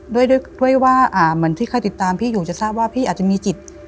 ด้วยว่าเหมือนที่ใครติดตามพี่อยู่จะทราบว่าพี่อาจจะมีจิต